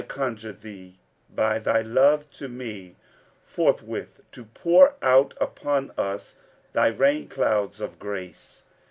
I conjure Thee, by Thy love to me forthwith to pour out upon us Thy rain clouds of grace!'